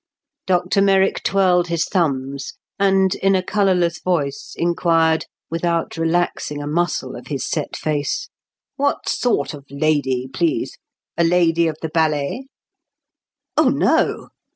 Dr Merrick twirled his thumbs, and in a colourless voice enquired, without relaxing a muscle of his set face, "What sort of lady, please? A lady of the ballet?" "Oh, no!"